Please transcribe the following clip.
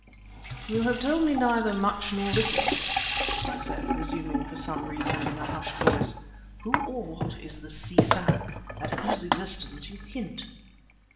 "You have told me neither much nor little, Smith," I said, resuming for some reason, in a hushed voice. "Who or what is this Si Fan at whose existence you hint?"